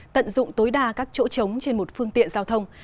tận dụng tối đa các chỗ trống trên một phương tiện giao thông